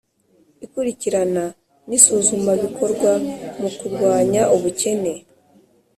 ikurikirana n'isuzumabikorwa mu kurwanya ubukene